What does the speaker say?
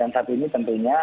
dan saat ini tentunya